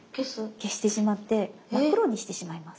消してしまって真っ黒にしてしまいます。